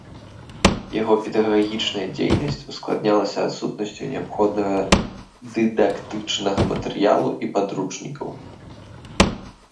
Яго педагагічная дзейнасць ускладнялася адсутнасцю неабходнага дыдактычнага матэрыялу і падручнікаў.